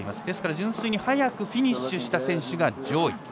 ですから純粋に早くフィニッシュした選手が上位。